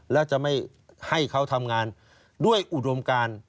แล้วจะไม่ให้เขาทำงานด้วยอุดมการ